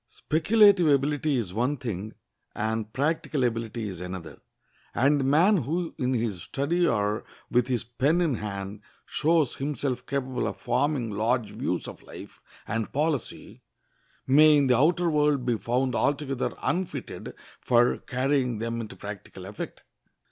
Speculative ability is one thing, and practical ability is another; and the man who in his study or with his pen in hand shows himself capable of forming large views of life and policy, may in the outer world be found altogether unfitted for carrying them into practical effect.